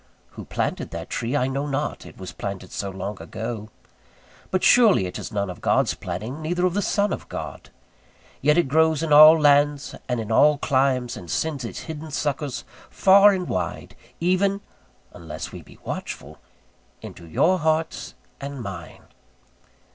Who planted that tree I know not, it was planted so long ago: but surely it is none of God's planting, neither of the Son of God: yet it grows in all lands and in all climes, and sends its hidden suckers far and wide, even (unless we be watchful) into your hearts and mine.